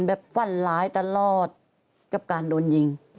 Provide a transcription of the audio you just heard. แบบฝั่นหลายตลอดกับการโดนยิง